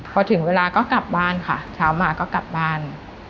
พอถึงเวลาก็กลับบ้านค่ะเช้ามาก็กลับบ้าน